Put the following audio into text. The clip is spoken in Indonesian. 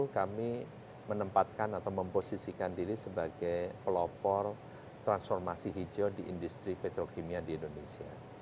kami menempatkan atau memposisikan diri sebagai pelopor transformasi hijau di industri petrokimia di indonesia